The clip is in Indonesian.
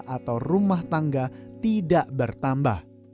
atau rumah tangga tidak bertambah